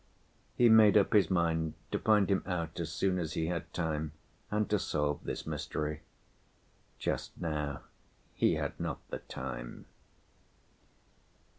He made up his mind to find him out as soon as he had time, and to solve this mystery. Just now he had not the time.